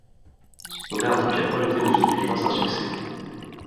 Son commerce de piano était de toute évidence un succès.